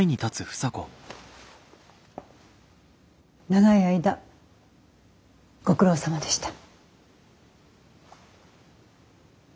長い間ご苦労さまでした。